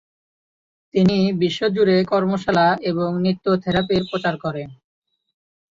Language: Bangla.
তিনি বিশ্বজুড়ে কর্মশালা এবং নৃত্য থেরাপির প্রচার করেন।